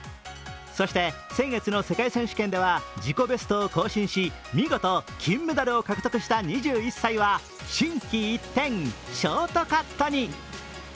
そして先月の世界選手権では自己ベストを更新し、見事金メダルを獲得した２１歳は心機一転、ショートカットに。